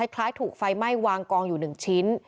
คล้ายถูกไฟไหม้วางกองอยู่๑ชิ้น